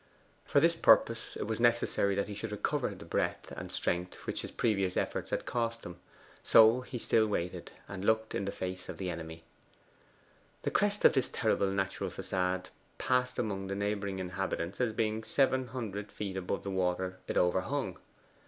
For this purpose it was necessary that he should recover the breath and strength which his previous efforts had cost him. So he still waited, and looked in the face of the enemy. The crest of this terrible natural facade passed among the neighbouring inhabitants as being seven hundred feet above the water it overhung.